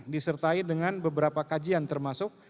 disertai dengan beberapa kajian termasuk